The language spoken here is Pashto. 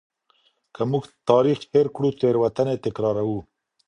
که موږ تاریخ هیر کړو تېروتني تکراروو.